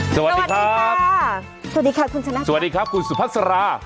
สวัสดีครับสวัสดีค่ะคุณชนะค่ะสวัสดีครับคุณสุพัสรา